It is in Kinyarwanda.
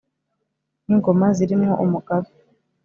n’ingoma ziri mwo umugabe,